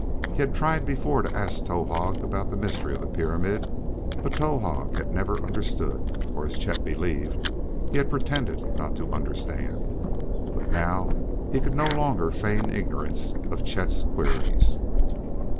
He had tried before to ask Towahg about the mystery of the pyramid, but Towahg had never understood, or, as Chet believed, he had pretended not to understand. But now he could no longer feign ignorance of Chet's queries.